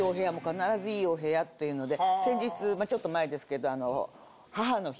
必ずいいお部屋というので先日まあちょっと前ですけど。